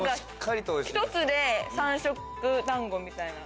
１つで３色団子みたいな。